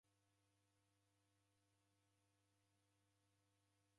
Omoni ndeulow'olo jingi.